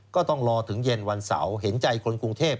ก็ต้องรอถึงเย็นวันเสาร์เห็นใจคนกรุงเทพ